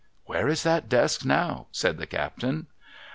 ' Where is that desk now ?' said the captain.